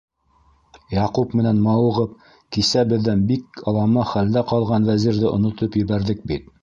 Яҡуп менән мауығып, кисә беҙҙән бик алама хәлдә ҡалған Вәзирҙе онотоп ебәрҙек бит.